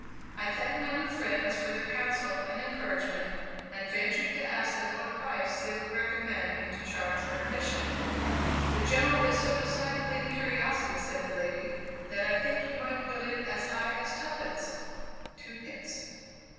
I thanked my new friends for their counsel and encouragement, and ventured to ask them what price they would recommend me to charge for admission. "The General is so decidedly a curiosity," said the lady, "that I think you might put it as high as tuppence!" (two pence.)